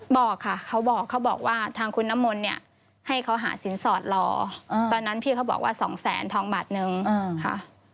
บอกค่ะเขาบอกเขาบอกว่าทางคุณน้ำมนต์เนี่ยให้เขาหาสินสอดรอตอนนั้นพี่เขาบอกว่าสองแสนทองบาทนึงค่ะ